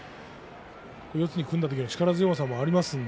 四つに組んだ時は力強さもあります。